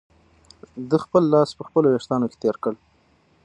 ده خپل لاس په خپلو وېښتانو کې تېر کړ.